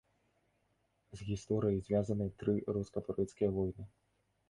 З гісторыяй звязаны тры руска-турэцкія войны.